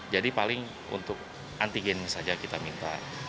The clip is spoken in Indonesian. jadi paling untuk antigennya saja kita minta